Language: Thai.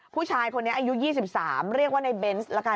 ผู้ชายคนนี้อายุ๒๓เรียกว่าในเบนส์ละกัน